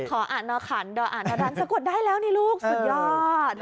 อ่านนอขันดออ่านนรันสะกดได้แล้วนี่ลูกสุดยอด